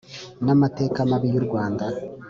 N amateka mabi y u rwanda